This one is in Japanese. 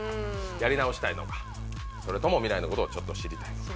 やり直したいのかそれとも未来のことを知りたいのか。